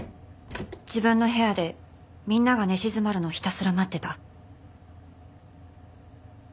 自分の部屋でみんなが寝静まるのをひたすら待ってた。